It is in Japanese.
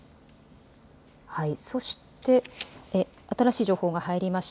そして新しい情報が入りました。